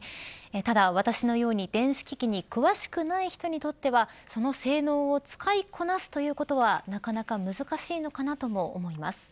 ただ私のように電子機器に詳しくない人にとってはその性能を使いこなすということはなかなか難しいのかなと思います。